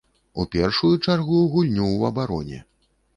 У першую чаргу гульню ў абароне.